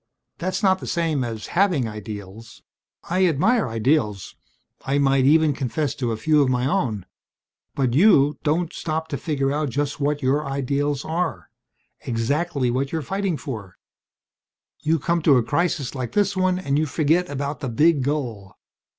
That's not the same as having ideals. I admire ideals I might even confess to a few of my own. But you don't stop to figure out just what your ideals are exactly what you're fighting for. "You come to a crisis like this one and you forget about the big goal.